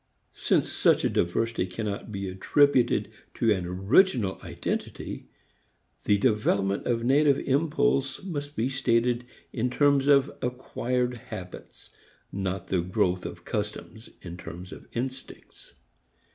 Since such a diversity cannot be attributed to an original identity, the development of native impulse must be stated in terms of acquired habits, not the growth of customs in terms of instincts.